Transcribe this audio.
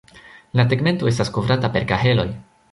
La tegmento estas kovrata per kaheloj.